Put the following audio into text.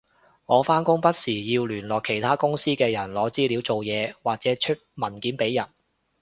我返工不時要聯絡其他公司嘅人攞資料做嘢或者出文件畀人